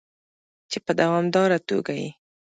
چې په دوامداره توګه یې